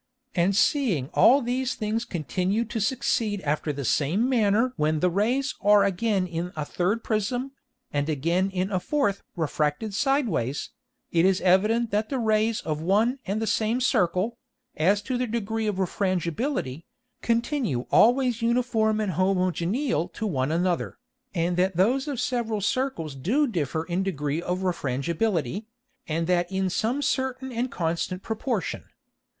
And seeing all these things continue to succeed after the same manner when the Rays are again in a third Prism, and again in a fourth refracted sideways, it is evident that the Rays of one and the same Circle, as to their degree of Refrangibility, continue always uniform and homogeneal to one another, and that those of several Circles do differ in degree of Refrangibility, and that in some certain and constant Proportion.